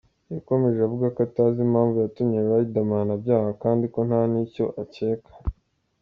Yakomeje avuga ko atazi impamvu yatumye Riderman abyanga kandi ko nta n’icyo acyeka.